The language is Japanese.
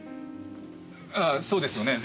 ああそうですよねえ